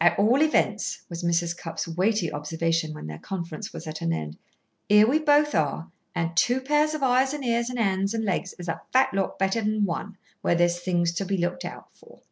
"At all events," was Mrs. Cupp's weighty observation when their conference was at an end, "here we both are, and two pairs of eyes and ears and hands and legs is a fat lot better than one, where there's things to be looked out for."